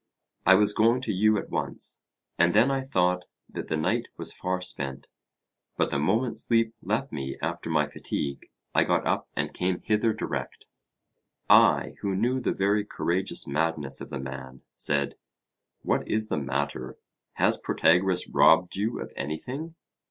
I was going to you at once, and then I thought that the night was far spent. But the moment sleep left me after my fatigue, I got up and came hither direct. I, who knew the very courageous madness of the man, said: What is the matter? Has Protagoras robbed you of anything?